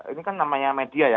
ini kan namanya media ya